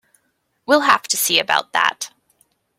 We'll have to see about that.